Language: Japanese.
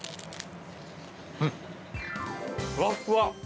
ふわふわ！